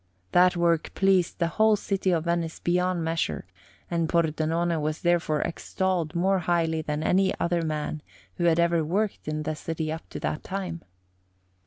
That work pleased the whole city of Venice beyond measure, and Pordenone was therefore extolled more highly than any other man who had ever worked in the city up to that time.